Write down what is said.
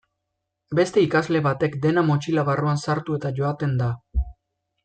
Beste ikasle batek dena motxila barruan sartu eta joaten da.